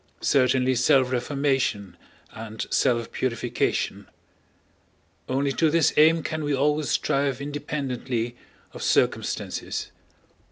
Certainly self reformation and self purification. Only to this aim can we always strive independently of circumstances.